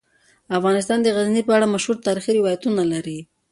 افغانستان د غزني په اړه مشهور تاریخی روایتونه لري.